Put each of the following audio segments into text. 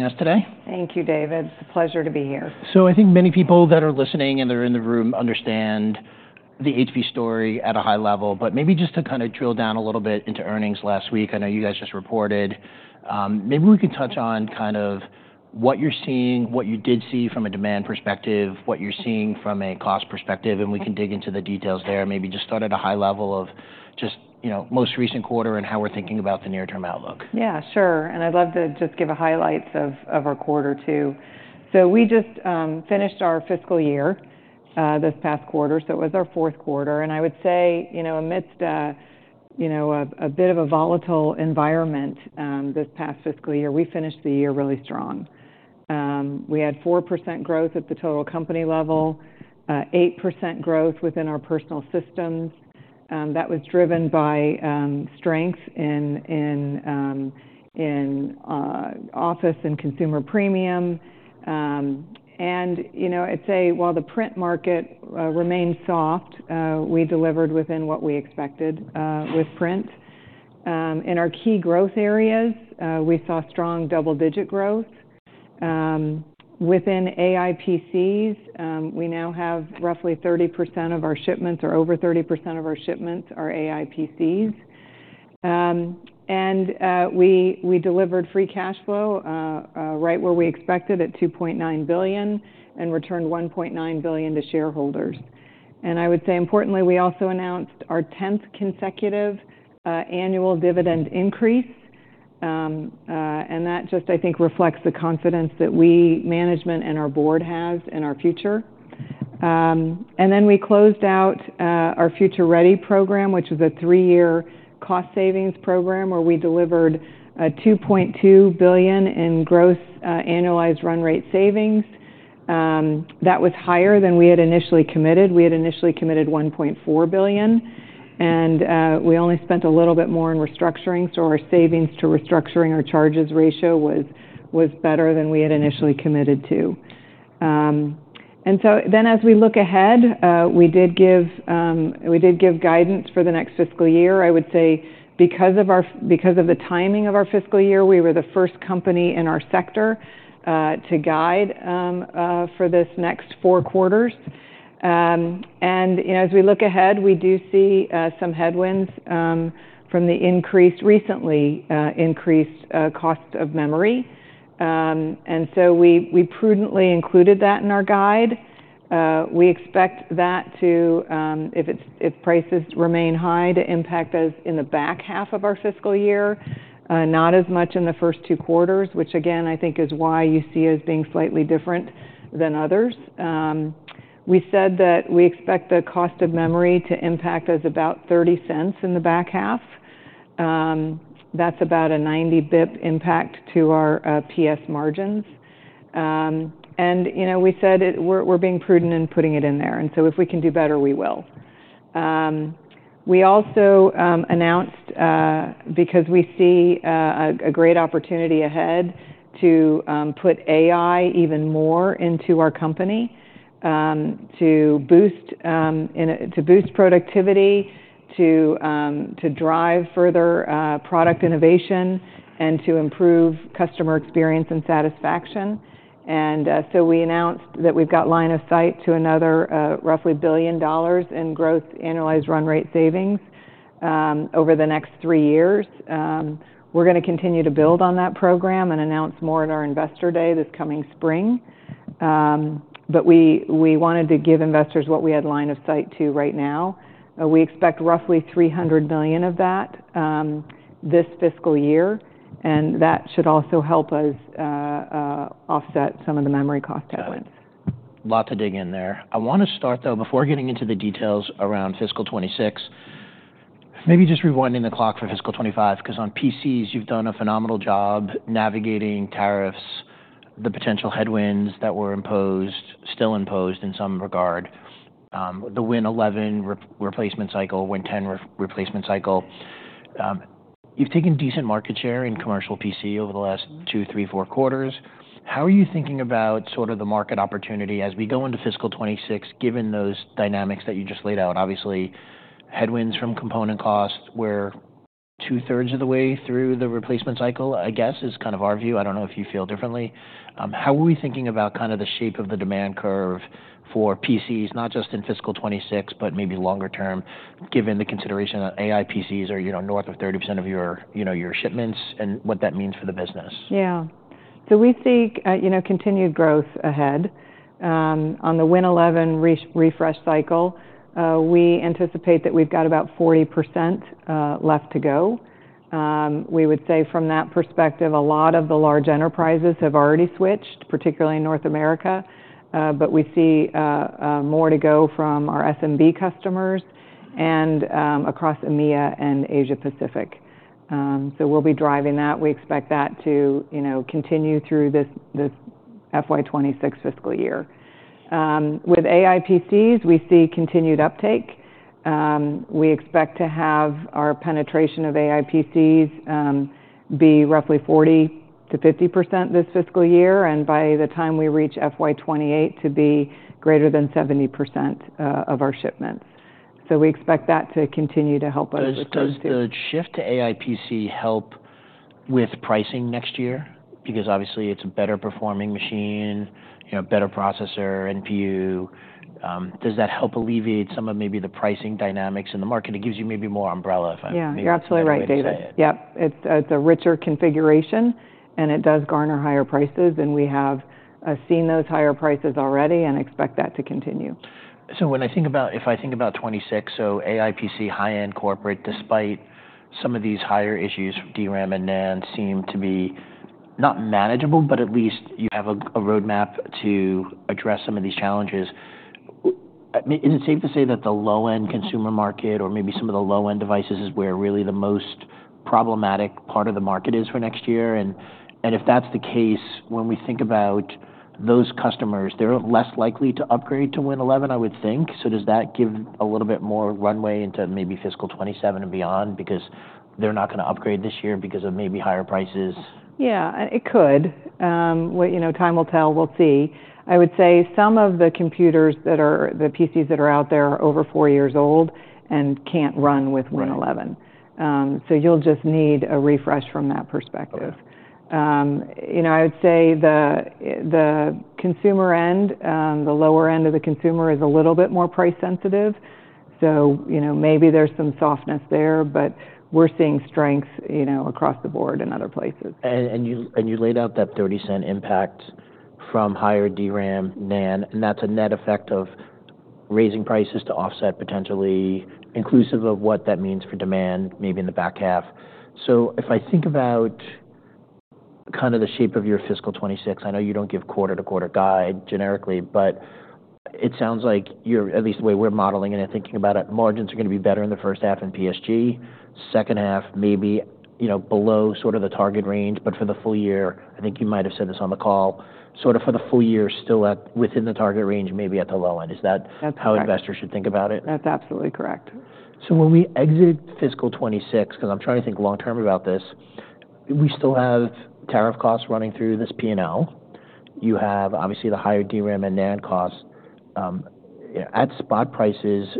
Joining us today. Thank you, David. It's a pleasure to be here. So I think many people that are listening and that are in the room understand the HP story at a high level. But maybe just to kind of drill down a little bit into earnings last week, I know you guys just reported. Maybe we could touch on kind of what you're seeing, what you did see from a demand perspective, what you're seeing from a cost perspective, and we can dig into the details there. Maybe just start at a high level of just, you know, most recent quarter and how we're thinking about the near-term outlook. Yeah, sure. And I'd love to just give a highlight of our quarter too. So we just finished our fiscal year, this past quarter. So it was our fourth quarter. And I would say, you know, amidst you know a bit of a volatile environment, this past fiscal year, we finished the year really strong. We had 4% growth at the total company level, 8% growth within our personal systems. That was driven by strength in office and consumer premium. And, you know, I'd say while the print market remained soft, we delivered within what we expected, with print. In our key growth areas, we saw strong double-digit growth. Within AI PCs, we now have roughly 30% of our shipments or over 30% of our shipments are AI PCs. We delivered free cash flow right where we expected at $2.9 billion and returned $1.9 billion to shareholders. I would say, importantly, we also announced our 10th consecutive annual dividend increase. That just, I think, reflects the confidence that we, management and our board have in our future. Then we closed out our Future Ready program, which was a three-year cost savings program where we delivered $2.2 billion in gross annualized run rate savings. That was higher than we had initially committed. We had initially committed $1.4 billion. And we only spent a little bit more in restructuring. So our savings to restructuring charges ratio was better than we had initially committed to. So then as we look ahead, we did give guidance for the next fiscal year. I would say because of the timing of our fiscal year, we were the first company in our sector to guide for this next four quarters. You know, as we look ahead, we do see some headwinds from the recently increased cost of memory. So we prudently included that in our guide. We expect that, if prices remain high, to impact us in the back half of our fiscal year, not as much in the first two quarters, which again, I think is why you see us being slightly different than others. We said that we expect the cost of memory to impact us about $0.30 in the back half. That's about a 90 basis point impact to our PS margins. You know, we said it. We're being prudent in putting it in there. And so if we can do better, we will. We also announced, because we see a great opportunity ahead to put AI even more into our company, to boost productivity, to drive further product innovation, and to improve customer experience and satisfaction. And so we announced that we've got line of sight to another roughly $1 billion in gross annualized run-rate savings over the next three years. We're gonna continue to build on that program and announce more at our investor day this coming spring. But we wanted to give investors what we had line of sight to right now. We expect roughly $300 million of that this fiscal year. And that should also help us offset some of the memory cost headwinds. Got it. Lot to dig in there. I wanna start though, before getting into the details around fiscal 2026, maybe just rewinding the clock for fiscal 2025, 'cause on PCs, you've done a phenomenal job navigating tariffs, the potential headwinds that were imposed, still imposed in some regard, the Windows 11 replacement cycle, Windows 10 replacement cycle. You've taken decent market share in commercial PC over the last two, three, four quarters. How are you thinking about sort of the market opportunity as we go into fiscal 2026, given those dynamics that you just laid out? Obviously, headwinds from component cost, we're two-thirds of the way through the replacement cycle, I guess, is kind of our view. I don't know if you feel differently. How are we thinking about kind of the shape of the demand curve for PCs, not just in fiscal 2026, but maybe longer term, given the consideration that AI PCs are, you know, north of 30% of your, you know, your shipments and what that means for the business? Yeah. So we see, you know, continued growth ahead. On the Windows 11 refresh cycle, we anticipate that we've got about 40% left to go. We would say from that perspective, a lot of the large enterprises have already switched, particularly in North America. But we see more to go from our SMB customers and across EMEA and Asia Pacific. So we'll be driving that. We expect that to, you know, continue through this FY 2026 fiscal year. With AI PCs, we see continued uptake. We expect to have our penetration of AI PCs be roughly 40%-50% this fiscal year, and by the time we reach FY 2028, to be greater than 70% of our shipments, so we expect that to continue to help us with those two. Does the shift to AI PC help with pricing next year? Because obviously it's a better performing machine, you know, better processor, NPU. Does that help alleviate some of maybe the pricing dynamics in the market? It gives you maybe more room if I maybe understand that. Yeah, you're absolutely right, David. Yep. It's a richer configuration and it does garner higher prices. And we have seen those higher prices already and expect that to continue. So when I think about 2026, so AI PC, high-end corporate, despite some of these higher issues, DRAM and NAND seem to be not manageable, but at least you have a roadmap to address some of these challenges. I mean, is it safe to say that the low-end consumer market or maybe some of the low-end devices is where really the most problematic part of the market is for next year? And if that's the case, when we think about those customers, they're less likely to upgrade to Windows 11, I would think. So does that give a little bit more runway into maybe fiscal 2027 and beyond? Because they're not gonna upgrade this year because of maybe higher prices. Yeah. And it could well, you know, time will tell. We'll see. I would say some of the computers that are, the PCs that are out there are over four years old and can't run with Windows 11. Right. So you'll just need a refresh from that perspective. Right. You know, I would say the consumer end, the lower end of the consumer is a little bit more price sensitive. So, you know, maybe there's some softness there, but we're seeing strengths, you know, across the board in other places. You laid out that $0.30 impact from higher DRAM, NAND, and that's a net effect of raising prices to offset potentially inclusive of what that means for demand maybe in the back half. So if I think about kind of the shape of your fiscal 2026, I know you don't give quarter-to-quarter guidance generically, but it sounds like you're, at least the way we're modeling it and thinking about it, margins are gonna be better in the first half in PSG, second half maybe, you know, below sort of the target range. But for the full year, I think you might have said this on the call, sort of for the full year still within the target range, maybe at the low end. Is that how investors should think about it? That's absolutely correct. So when we exit fiscal 2026, 'cause I'm trying to think long-term about this, we still have tariff costs running through this P&L. You have obviously the higher DRAM and NAND cost. You know, at spot prices,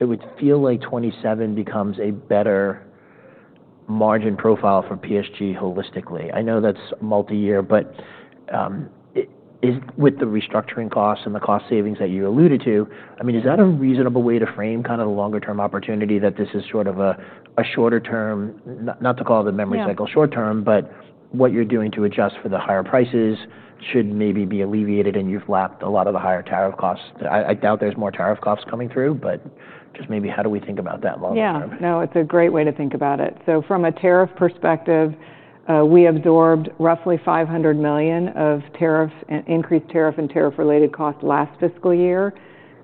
it would feel like 2027 becomes a better margin profile for PSG holistically. I know that's multi-year, but with the restructuring costs and the cost savings that you alluded to, I mean, is that a reasonable way to frame kind of the longer-term opportunity that this is sort of a shorter-term, not to call it a memory cycle short-term, but what you're doing to adjust for the higher prices should maybe be alleviated and you've lapped a lot of the higher tariff costs. I doubt there's more tariff costs coming through, but just maybe how do we think about that longer-term? Yeah. No, it's a great way to think about it. So from a tariff perspective, we absorbed roughly $500 million of tariffs and increased tariff and tariff-related costs last fiscal year.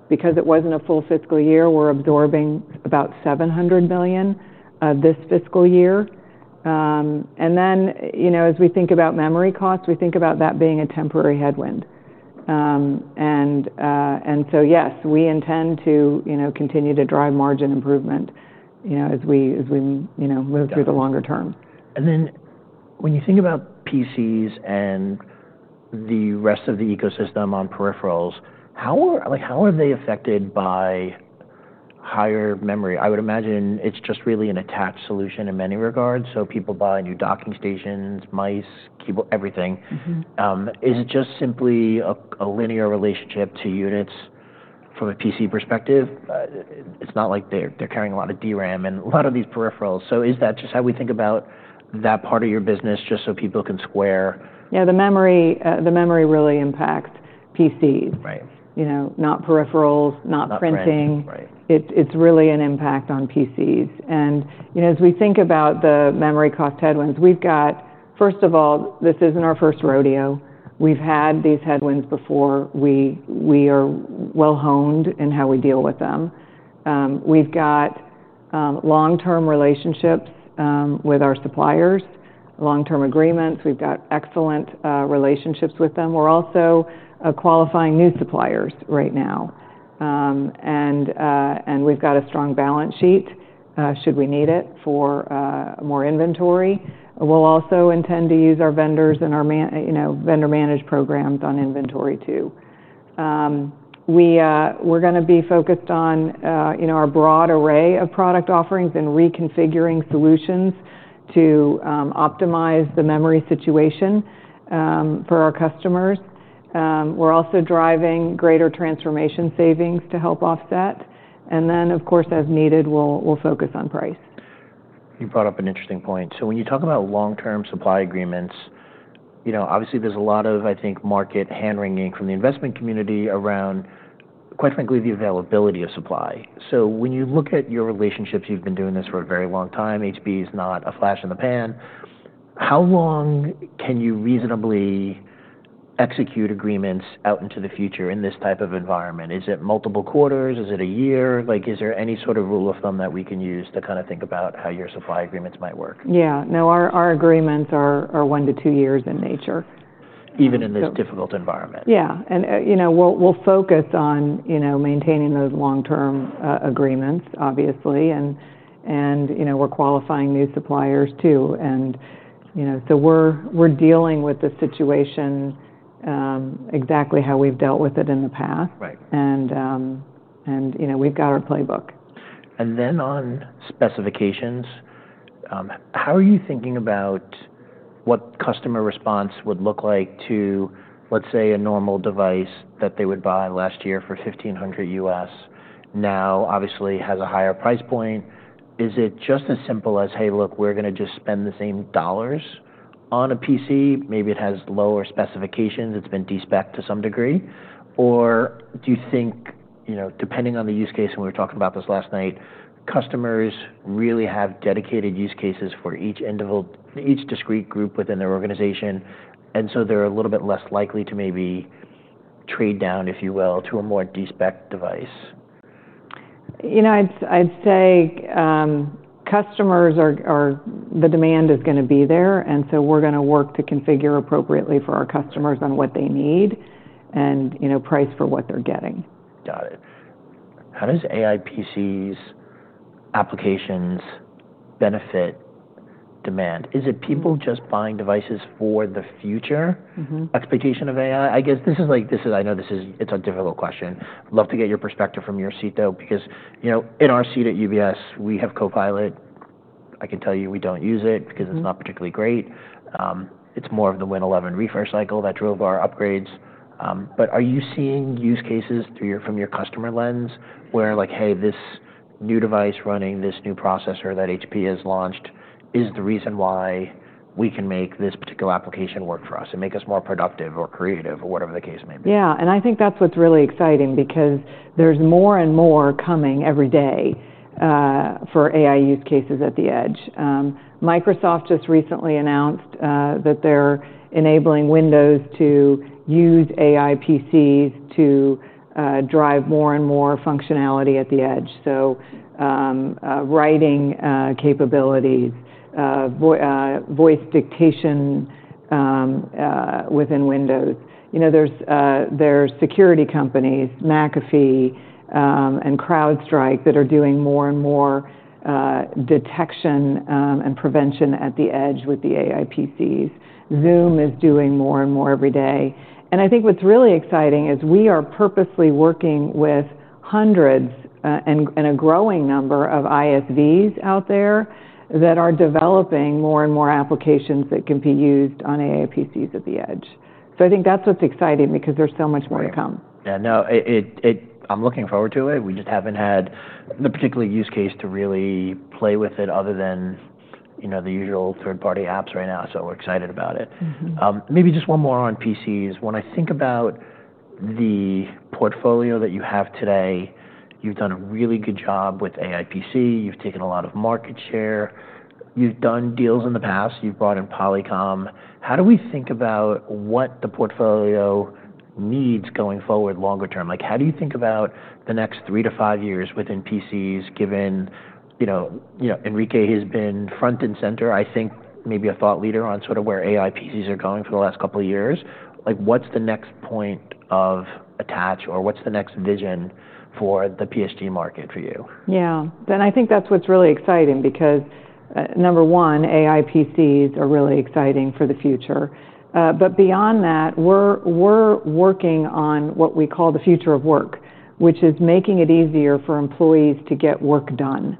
Because it wasn't a full fiscal year, we're absorbing about $700 million, this fiscal year. And then, you know, as we think about memory costs, we think about that being a temporary headwind. And, and so yes, we intend to, you know, continue to drive margin improvement, you know, as we, as we, you know, move through the longer term. And then when you think about PCs and the rest of the ecosystem on peripherals, like, how are they affected by higher memory? I would imagine it's just really an attached solution in many regards. So people buy new docking stations, mice, keyboard, everything. Mm-hmm. Is it just simply a linear relationship to units from a PC perspective? It's not like they're carrying a lot of DRAM and a lot of these peripherals. So is that just how we think about that part of your business just so people can square? Yeah. The memory, the memory really impacts PCs. Right. You know, not peripherals, not printing. Not printing. Right. It's really an impact on PCs. You know, as we think about the memory cost headwinds, we've got, first of all, this isn't our first rodeo. We've had these headwinds before. We are well-honed in how we deal with them. We've got long-term relationships with our suppliers, long-term agreements. We've got excellent relationships with them. We're also qualifying new suppliers right now, and we've got a strong balance sheet, should we need it for more inventory. We'll also intend to use our vendors and our ma- you know, vendor-managed programs on inventory too. We're gonna be focused on, you know, our broad array of product offerings and reconfiguring solutions to optimize the memory situation for our customers. We're also driving greater transformation savings to help offset. Then, of course, as needed, we'll focus on price. You brought up an interesting point. So when you talk about long-term supply agreements, you know, obviously there's a lot of, I think, market hand-wringing from the investment community around, quite frankly, the availability of supply. So when you look at your relationships, you've been doing this for a very long time. HP is not a flash in the pan. How long can you reasonably execute agreements out into the future in this type of environment? Is it multiple quarters? Is it a year? Like, is there any sort of rule of thumb that we can use to kind of think about how your supply agreements might work? Yeah. No, our agreements are one to two years in nature. Even in this difficult environment. Yeah. And you know, we'll focus on maintaining those long-term agreements, obviously. And you know, we're qualifying new suppliers too. And you know, so we're dealing with the situation exactly how we've dealt with it in the past. Right. You know, we've got our playbook. And then on specifications, how are you thinking about what customer response would look like to, let's say, a normal device that they would buy last year for $1,500, now obviously has a higher price point? Is it just as simple as, "Hey, look, we're gonna just spend the same dollars on a PC"? Maybe it has lower specifications. It's been de-spec'd to some degree. Or do you think, you know, depending on the use case, and we were talking about this last night, customers really have dedicated use cases for each individual, each discrete group within their organization, and so they're a little bit less likely to maybe trade down, if you will, to a more de-spec'd device? You know, I'd say, customers are the demand is gonna be there. And so we're gonna work to configure appropriately for our customers on what they need and, you know, price for what they're getting. Got it. How does AI PCs' applications benefit demand? Is it people just buying devices for the future? Mm-hmm. Expectation of AI? I guess this is like, this is, I know this is, it's a difficult question. Love to get your perspective from your seat though, because, you know, in our seat at UBS, we have Copilot. I can tell you we don't use it because it's not particularly great. It's more of the Windows 11 refresh cycle that drove our upgrades. But are you seeing use cases through your, from your customer lens where, like, "Hey, this new device running this new processor that HP has launched is the reason why we can make this particular application work for us and make us more productive or creative or whatever the case may be"? Yeah. And I think that's what's really exciting because there's more and more coming every day for AI use cases at the edge. Microsoft just recently announced that they're enabling Windows to use AI PCs to drive more and more functionality at the edge. So writing capabilities, voice dictation within Windows. You know, there are security companies, McAfee, and CrowdStrike that are doing more and more detection and prevention at the edge with the AI PCs. Zoom is doing more and more every day. And I think what's really exciting is we are purposely working with hundreds and a growing number of ISVs out there that are developing more and more applications that can be used on AI PCs at the edge. So I think that's what's exciting because there's so much more to come. Yeah. No, it, I'm looking forward to it. We just haven't had the particular use case to really play with it other than, you know, the usual third-party apps right now. So we're excited about it. Mm-hmm. Maybe just one more on PCs. When I think about the portfolio that you have today, you've done a really good job with AI PC. You've taken a lot of market share. You've done deals in the past. You've brought in Polycom. How do we think about what the portfolio needs going forward longer term? Like, how do you think about the next three to five years within PCs given, you know, you know, Enrique has been front and center, I think, maybe a thought leader on sort of where AI PCs are going for the last couple of years. Like, what's the next point of attach or what's the next vision for the PSG market for you? Yeah. And I think that's what's really exciting because, number one, AI PCs are really exciting for the future. But beyond that, we're working on what we call the future of work, which is making it easier for employees to get work done.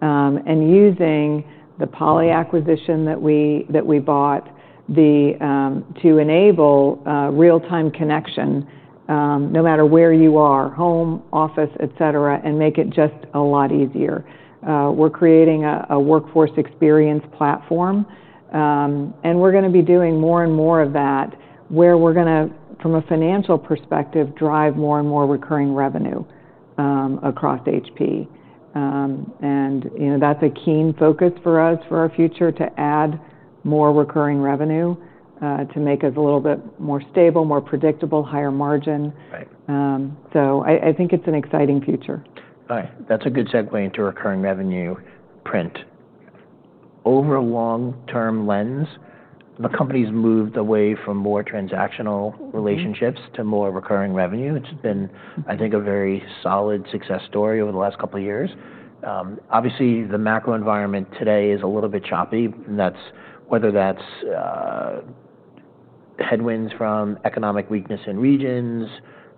And using the Poly acquisition that we bought to enable real-time connection, no matter where you are, home, office, etc., and make it just a lot easier. We're creating a workforce experience platform. And we're gonna be doing more and more of that where we're gonna, from a financial perspective, drive more and more recurring revenue across HP. And, you know, that's a keen focus for us for our future to add more recurring revenue, to make us a little bit more stable, more predictable, higher margin. Right. So, I think it's an exciting future. All right. That's a good segue into recurring revenue print. Over a long-term lens, the company's moved away from more transactional relationships to more recurring revenue. It's been, I think, a very solid success story over the last couple of years. Obviously, the macro environment today is a little bit choppy, and that's whether that's headwinds from economic weakness in regions,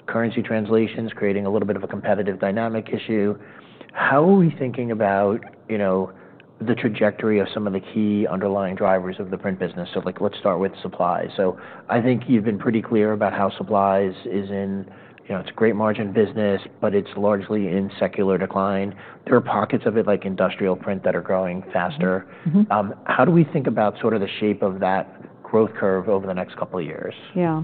currency translations creating a little bit of a competitive dynamic issue. How are we thinking about, you know, the trajectory of some of the key underlying drivers of the print business? So, like, let's start with supplies. So I think you've been pretty clear about how supplies is, you know, it's a great margin business, but it's largely in secular decline. There are pockets of it like industrial print that are growing faster. Mm-hmm. How do we think about sort of the shape of that growth curve over the next couple of years? Yeah.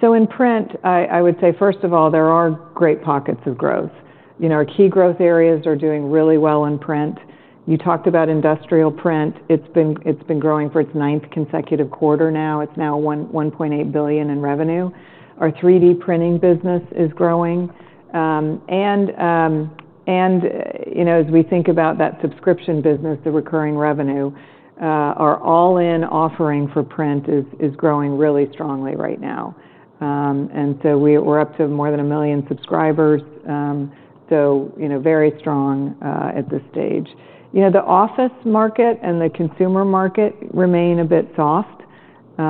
So in print, I would say, first of all, there are great pockets of growth. You know, our key growth areas are doing really well in print. You talked about industrial print. It's been growing for its ninth consecutive quarter now. It's now $1.8 billion in revenue. Our 3D printing business is growing. You know, as we think about that subscription business, the recurring revenue, our all-in offering for print is growing really strongly right now. So we're up to more than a million subscribers. So you know, very strong at this stage. You know, the office market and the consumer market remain a bit soft. You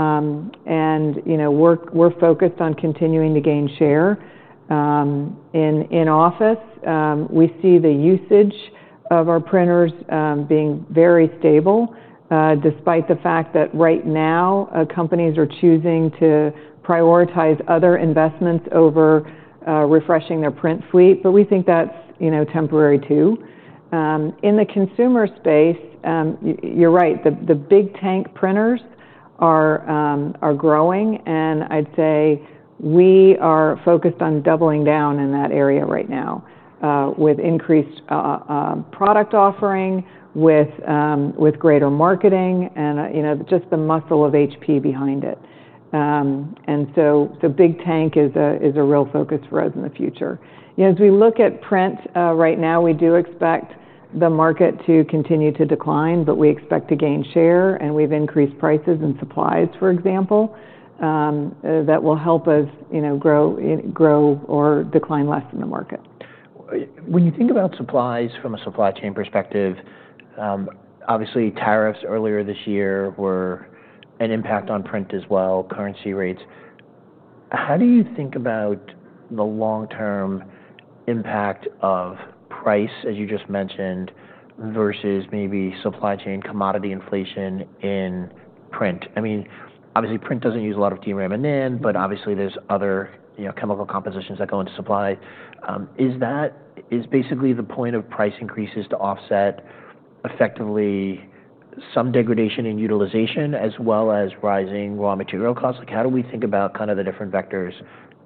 know, we're focused on continuing to gain share. In the office, we see the usage of our printers being very stable, despite the fact that right now, companies are choosing to prioritize other investments over refreshing their print fleet. But we think that's, you know, temporary too. In the consumer space, you're right. The big tank printers are growing. And I'd say we are focused on doubling down in that area right now, with increased product offering, with greater marketing and, you know, just the muscle of HP behind it. And so big tank is a real focus for us in the future. You know, as we look at print, right now, we do expect the market to continue to decline, but we expect to gain share. And we've increased prices and supplies, for example, that will help us, you know, grow or decline less than the market. When you think about supplies from a supply chain perspective, obviously, tariffs earlier this year were an impact on print as well, currency rates. How do you think about the long-term impact of price, as you just mentioned, versus maybe supply chain commodity inflation in print? I mean, obviously, print doesn't use a lot of DRAM and NAND, but obviously, there's other, you know, chemical compositions that go into supply. Is that basically the point of price increases to offset effectively some degradation in utilization as well as rising raw material costs? Like, how do we think about kind of the different vectors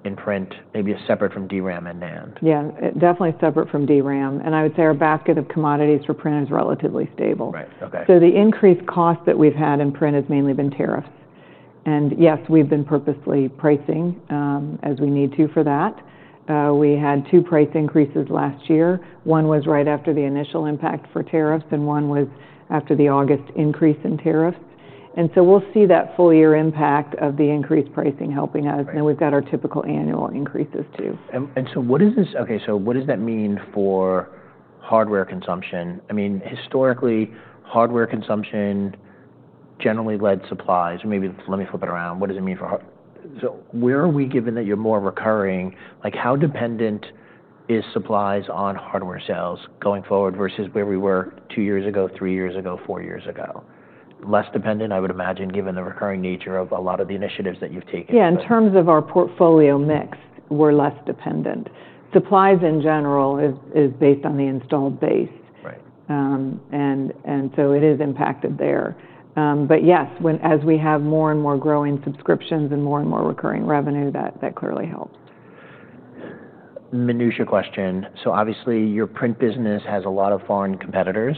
in print, maybe separate from DRAM and NAND? Yeah. Definitely separate from DRAM. And I would say our basket of commodities for print is relatively stable. Right. Okay. The increased cost that we've had in print has mainly been tariffs. Yes, we've been purposely pricing, as we need to for that. We had two price increases last year. One was right after the initial impact for tariffs, and one was after the August increase in tariffs. We'll see that full year impact of the increased pricing helping us. Then we've got our typical annual increases too. So what does that mean for hardware consumption? I mean, historically, hardware consumption generally led supplies. Or maybe let me flip it around. What does it mean for hardware? So where are we given that you're more recurring? Like, how dependent is supplies on hardware sales going forward versus where we were two years ago, three years ago, four years ago? Less dependent, I would imagine, given the recurring nature of a lot of the initiatives that you've taken. Yeah. In terms of our portfolio mix, we're less dependent. Supplies in general is based on the installed base. Right. And so it is impacted there, but yes, when, as we have more and more growing subscriptions and more and more recurring revenue, that clearly helps. Minutia question. So obviously, your print business has a lot of foreign competitors.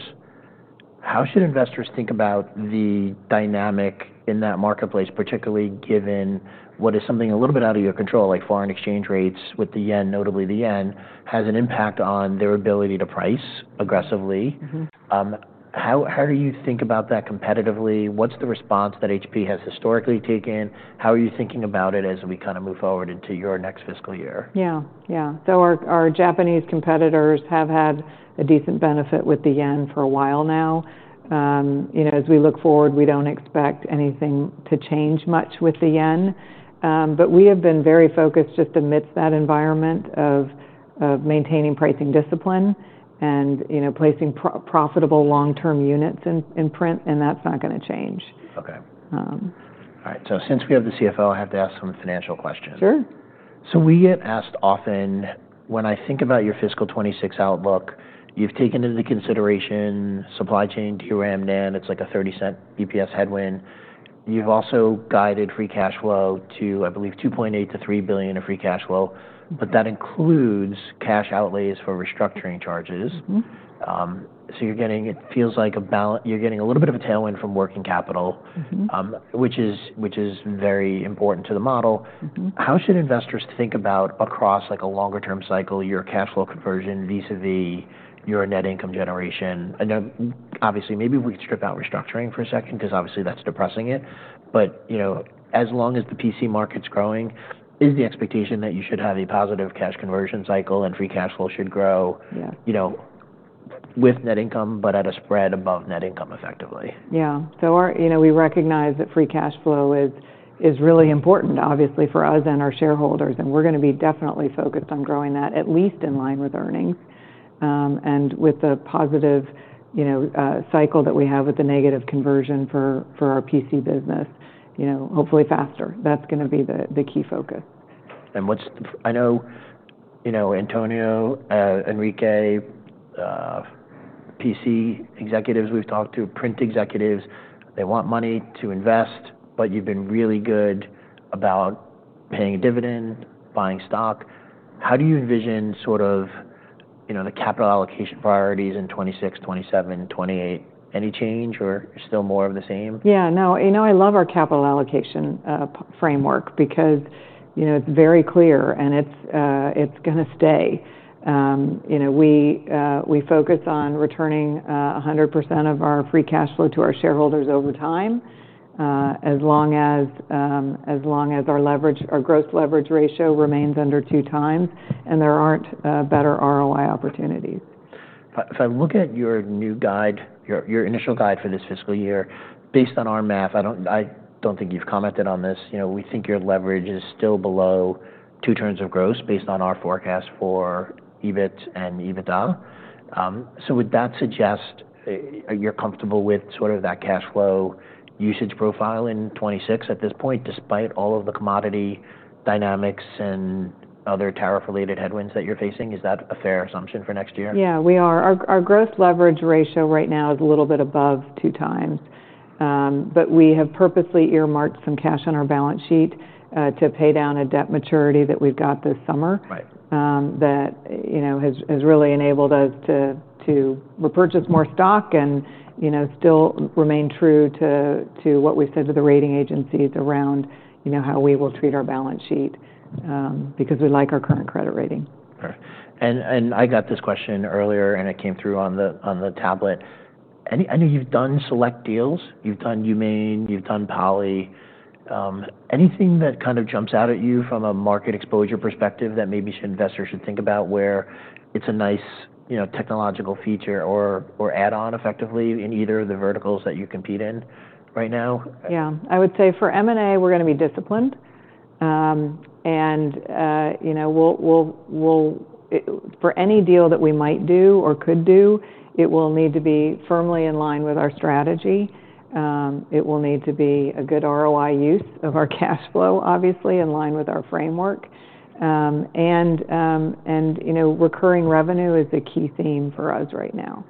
How should investors think about the dynamic in that marketplace, particularly given what is something a little bit out of your control, like foreign exchange rates with the yen, notably the yen, has an impact on their ability to price aggressively? Mm-hmm. How do you think about that competitively? What's the response that HP has historically taken? How are you thinking about it as we kind of move forward into your next fiscal year? Yeah. Our Japanese competitors have had a decent benefit with the yen for a while now. You know, as we look forward, we don't expect anything to change much with the yen. But we have been very focused just amidst that environment of maintaining pricing discipline and, you know, placing profitable long-term units in print. And that's not gonna change. Okay. All right. So since we have the CFO, I have to ask some financial questions. Sure. We get asked often, when I think about your fiscal 2026 outlook, you've taken into consideration supply chain, DRAM, NAND. It's like a $0.30 EPS headwind. You've also guided free cash flow to, I believe, $2.8 billion-$3 billion of free cash flow. But that includes cash outlays for restructuring charges. Mm-hmm. So you're getting, it feels like a balance. You're getting a little bit of a tailwind from working capital. Mm-hmm. which is very important to the model. Mm-hmm. How should investors think about across, like, a longer-term cycle, your cash flow conversion vis-à-vis your net income generation? I know, obviously, maybe we could strip out restructuring for a second because obviously that's depressing it. But, you know, as long as the PC market's growing, is the expectation that you should have a positive cash conversion cycle and free cash flow should grow? Yeah. You know, with net income but at a spread above net income effectively. Yeah. So our, you know, we recognize that free cash flow is really important, obviously, for us and our shareholders. And we're gonna be definitely focused on growing that, at least in line with earnings, and with the positive, you know, cycle that we have with the negative conversion for our PC business, you know, hopefully faster. That's gonna be the key focus. What's the, I know, you know, Antonio, Enrique, PC executives we've talked to, print executives, they want money to invest, but you've been really good about paying a dividend, buying stock. How do you envision sort of, you know, the capital allocation priorities in 2026, 2027, 2028? Any change or still more of the same? Yeah. No, you know, I love our capital allocation framework because, you know, it's very clear and it's gonna stay. You know, we focus on returning 100% of our free cash flow to our shareholders over time, as long as our leverage, our gross leverage ratio remains under two times and there aren't better ROI opportunities. If I look at your new guide, your initial guide for this fiscal year, based on our math, I don't think you've commented on this. You know, we think your leverage is still below two turns of gross based on our forecast for EBIT and EBITDA. So would that suggest you're comfortable with sort of that cash flow usage profile in 2026 at this point, despite all of the commodity dynamics and other tariff-related headwinds that you're facing? Is that a fair assumption for next year? Yeah. We are. Our gross leverage ratio right now is a little bit above two times, but we have purposely earmarked some cash on our balance sheet to pay down a debt maturity that we've got this summer. Right. that, you know, has really enabled us to repurchase more stock and, you know, still remain true to what we've said to the rating agencies around, you know, how we will treat our balance sheet, because we like our current credit rating. All right. And I got this question earlier and it came through on the tablet. I know you've done select deals. You've done OMEN, you've done Poly. Anything that kind of jumps out at you from a market exposure perspective that maybe investors should think about where it's a nice, you know, technological feature or add-on effectively in either of the verticals that you compete in right now? Yeah. I would say for M&A, we're gonna be disciplined. You know, we'll for any deal that we might do or could do. It will need to be firmly in line with our strategy. It will need to be a good ROI use of our cash flow, obviously, in line with our framework. You know, recurring revenue is a key theme for us right now.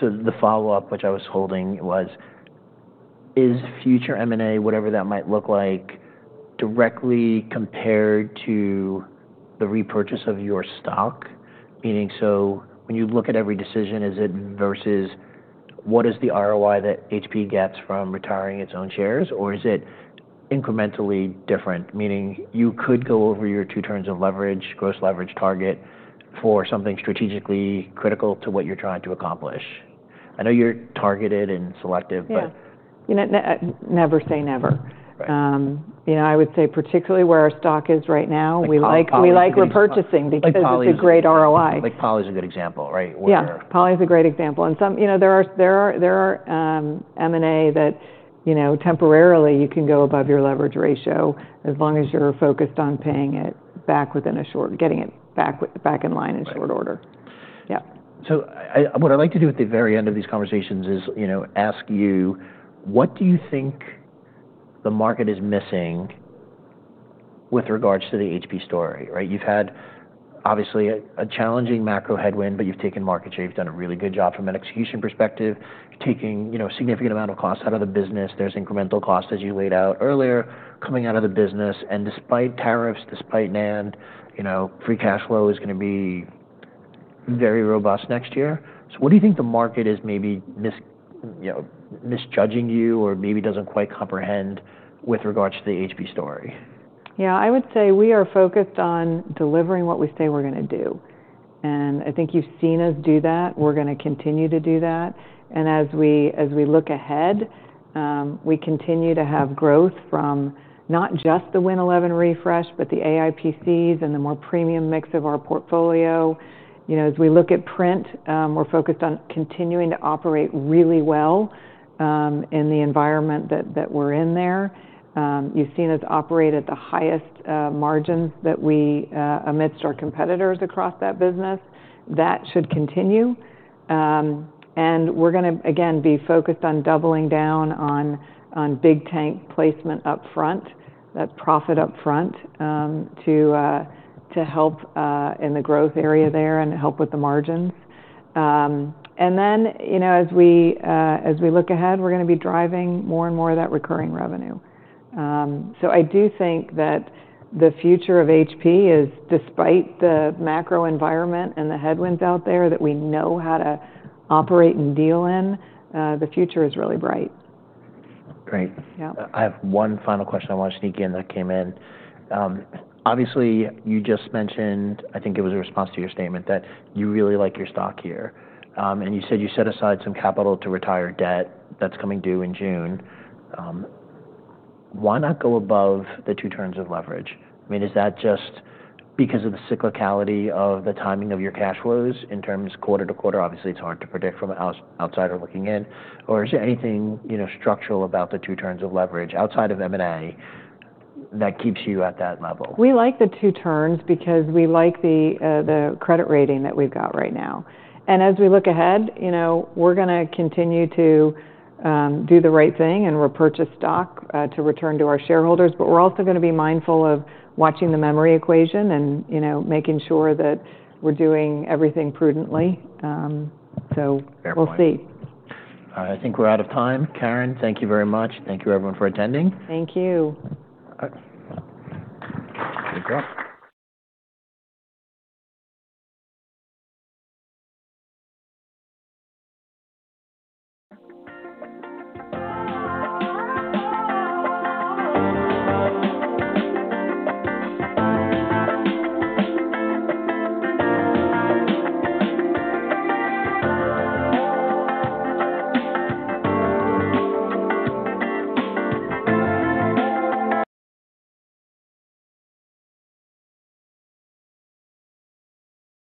So the follow-up, which I was holding, was, is future M&A, whatever that might look like, directly compared to the repurchase of your stock? Meaning, so when you look at every decision, is it versus what is the ROI that HP gets from retiring its own shares, or is it incrementally different? Meaning you could go over your two turns of leverage, gross leverage target for something strategically critical to what you're trying to accomplish. I know you're targeted and selective, but. Yeah. You know, never say never. Right. You know, I would say particularly where our stock is right now, we like, we like repurchasing because it's a great ROI. Like Poly. Like Poly's a good example, right? Where. Yeah. Poly's a great example. And some, you know, there are M&A that, you know, temporarily you can go above your leverage ratio as long as you're focused on paying it back within a short, getting it back in line in short order. Right. Yep. So, what I'd like to do at the very end of these conversations is, you know, ask you what do you think the market is missing with regards to the HP story, right? You've had obviously a challenging macro headwind, but you've taken market share, done a really good job from an execution perspective, taking, you know, a significant amount of cost out of the business. There's incremental cost, as you laid out earlier, coming out of the business. And despite tariffs, despite NAND, you know, free cash flow is gonna be very robust next year. So what do you think the market is maybe, you know, misjudging you or maybe doesn't quite comprehend with regards to the HP story? Yeah. I would say we are focused on delivering what we say we're gonna do, and I think you've seen us do that. We're gonna continue to do that, and as we look ahead, we continue to have growth from not just the Win11 refresh, but the AI PCs and the more premium mix of our portfolio. You know, as we look at print, we're focused on continuing to operate really well in the environment that we're in there. You've seen us operate at the highest margins that we amidst our competitors across that business. That should continue, and we're gonna again be focused on doubling down on big tank placement upfront, that profit upfront, to help in the growth area there and help with the margins. and then, you know, as we look ahead, we're gonna be driving more and more of that recurring revenue. So I do think that the future of HP is, despite the macro environment and the headwinds out there that we know how to operate and deal in, the future is really bright. Great. Yeah. I have one final question I wanted to sneak in that came in. Obviously, you just mentioned, I think it was a response to your statement, that you really like your stock here, and you said you set aside some capital to retire debt that's coming due in June. Why not go above the two turns of leverage? I mean, is that just because of the cyclicality of the timing of your cash flows in terms of quarter to quarter? Obviously, it's hard to predict from an outsider looking in, or is there anything, you know, structural about the two turns of leverage outside of M&A that keeps you at that level? We like the two turns because we like the credit rating that we've got right now. As we look ahead, you know, we're gonna continue to do the right thing and repurchase stock to return to our shareholders. But we're also gonna be mindful of watching the memory equation and, you know, making sure that we're doing everything prudently. So we'll see. All right. I think we're out of time. Karen, thank you very much. Thank you, everyone, for attending. Thank you. All right.